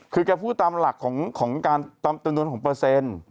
คือแกพูดตามหลักของการจำนวนของเปอร์เซ็นต์